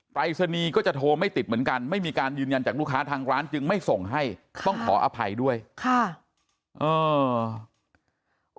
รายศนีย์ก็จะโทรไม่ติดเหมือนกันไม่มีการยืนยันจากลูกค้าทางร้านจึงไม่ส่งให้ต้องขออภัยด้วยค่ะ